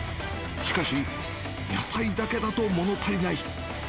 しかし、野菜だけだと、もの足りない。